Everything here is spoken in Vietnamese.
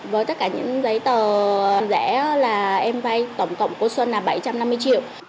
với tất cả những giấy tờ rẽ là em vay tổng cộng của xuân là bảy trăm năm mươi triệu